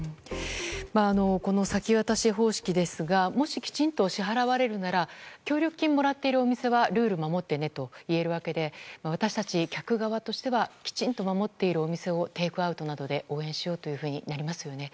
この先渡し方式ですがもし、きちんと支払われるなら協力金をもらっているお店はルールを守ってねと言えるわけで私たち、客側としてはきちんと守っているお店はテイクアウトなどで応援しようとなりますよね。